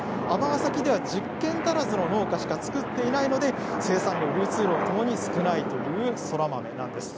尼崎では１０軒足らずの農家しか作っていないので生産量、流通量ともに少ないというそら豆なんです。